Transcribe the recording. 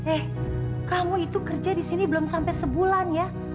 eh kamu itu kerja di sini belum sampai sebulan ya